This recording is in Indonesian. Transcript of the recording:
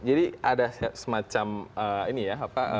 jadi ada semacam ini ya